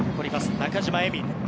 中島依美。